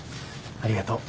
ありがとう。